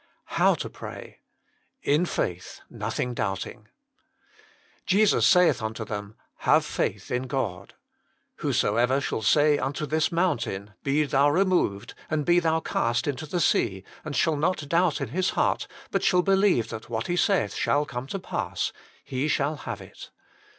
HOW TO PEAT. In Fnith, nolhinjj goitbtinjj "Jesus saith unto them, Have faith in God. Whosoever shall say unto this mountain, Be thou removed, and be thou cast into the sea ; and shall not doubt in his heart, but shall believe that what he saith shall come to pass, he shall have it."